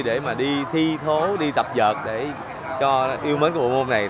để mà đi thi thố đi tập vợt để cho yêu mến của bộ bộ này